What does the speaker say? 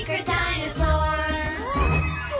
うわ！